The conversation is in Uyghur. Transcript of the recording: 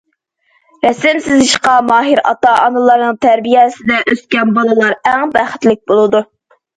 رەسىم سىزىشقا ماھىر ئاتا- ئانىلارنىڭ تەربىيەسىدە ئۆسكەن بالىلار ئەڭ بەختلىك بولىدۇ.